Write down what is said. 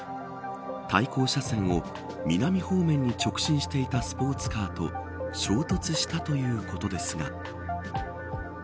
対向車線を南方面に直進していたスポーツカーと衝突したということですが。